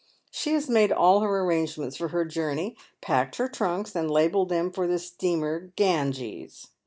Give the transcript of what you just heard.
She has made all her arrange ments for her journey, packed her trunks, and labelled them ior the steamer Ganges.